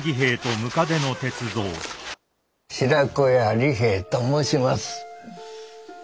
白子屋利兵衛と申します。